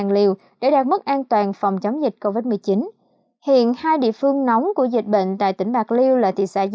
năm trăm linh liều để đạt mức an toàn phòng chống dịch covid một mươi chín hiện hai địa phương nóng của dịch bệnh tại tỉnh bạc liêu là tỷ sách bạc liêu và tỉnh bạc liêu